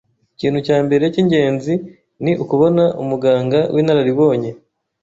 Ikintu cya mbere cy’ingenzi ni ukubona umuganga w’inararibonye